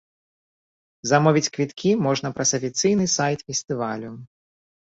Замовіць квіткі можна праз афіцыйны сайт фестывалю.